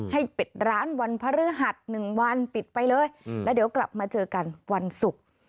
ให้ปิดร้านวันพระฤหัส๑วันปิดไปเลยแล้วเดี๋ยวกลับมาเจอกันวันศุกร์